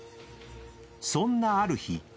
［そんなある日］